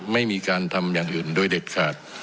ไม่มีการทำอย่างอื่นโดยเด็ดขาด